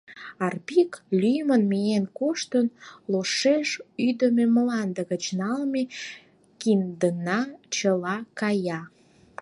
Арпик лӱмын миен коштын, лошеш ӱдымӧ мланде гыч налме киндына чыла кая.